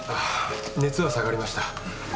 熱は下がりました。